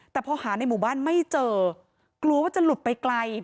แต่พอหาในหมู่บ้านไม่เจอกลัวว่าจะหลุดไปไกล